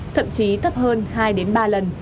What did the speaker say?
thậm chí thấp hơn hai ba lần